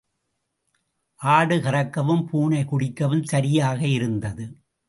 ஆடு கறக்கவும் பூனை குடிக்கவும் சரியாக இருந்தது.